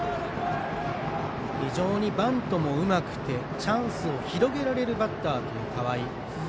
非常にバントもうまくてチャンスを広げられるバッターという河合。